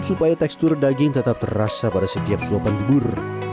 supaya tekstur daging tetap terasa pada setiap selopan bubur